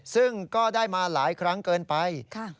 ซึ่งก็ได้มาหลายครั้งเกินไป